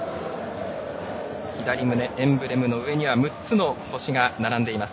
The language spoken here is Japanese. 左胸、エンブレムの上には６つの星が並んでいます。